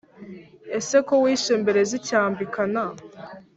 ese ko wishe mbere zicyambikana,